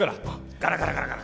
ガラガラガラガラ。